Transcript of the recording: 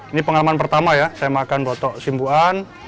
ini pengalaman pertama ya saya makan botok simbuan